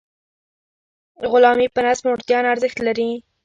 غلامي په نس موړتیا نه ارزښت نلري.